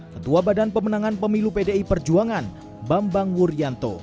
ketua badan pemenangan pemilu pdi perjuangan bambang wuryanto